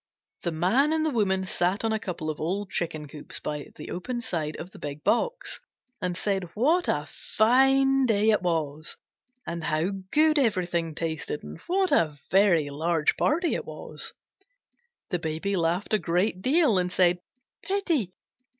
The Man and the Woman sat on a couple of old Chicken coops by the open side of the big box, and said what a fine day it was, and how good everything tasted, and what a very large party it was. The Baby laughed a great deal and said "Pitty!